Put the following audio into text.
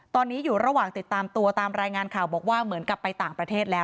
ตอนนี้อยู่ระหว่างติดตามตัวตามรายงานข่าวบอกว่าเหมือนกับไปต่างประเทศแล้ว